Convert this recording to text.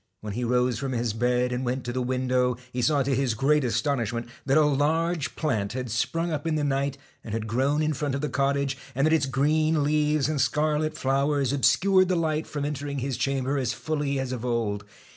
When he rose from his bed, and went to the window, he saw to his great astonishment that a large plant had sprung up in the night and had grown in front of the cottage, and that its green leaves and scarlet flowers obscured the light from entering his chamber as fully as of old.